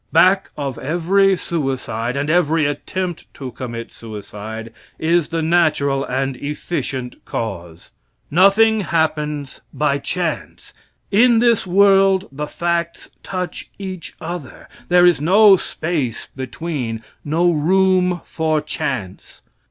Back of every suicide and every attempt to commit suicide is the natural and efficient cause. Nothing happens by chance. In this world the facts touch each other. There is no space between no room for chance.